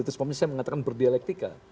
itu sebabnya saya mengatakan berdialektika